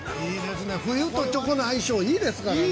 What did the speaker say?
冬とチョコの相性いいですからね。